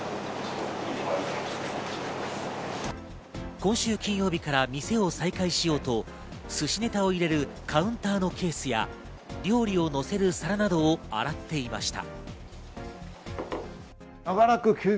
今週金曜日から店を再開しようと、寿司ネタを入れるカウンターのケースや料理をのせる皿などを洗っていました。